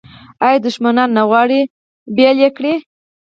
آیا دښمنان نه غواړي بیل یې کړي؟